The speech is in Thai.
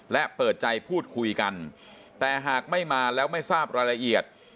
และเปิดใจพูดคุยกันแต่หากไม่มาแล้วไม่ทราบรายละเอียด